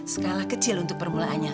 skala kecil untuk permulaannya